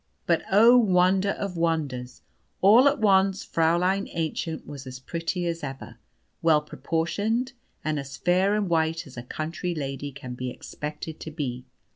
But, oh, wonder of wonders! all at once Fräulein Aennchen was as pretty as ever, well proportioned, and as fair and white as a country lady can be expected to be.